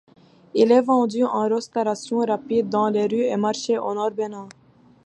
Il est vendu en restauration rapide dans les rues et marchés au Nord Bénin.